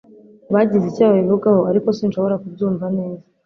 Bagize icyo babivugaho, ariko sinshobora kubyumva neza.